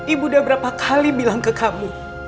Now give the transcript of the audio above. ibu udah berapa kali bilang ke kamu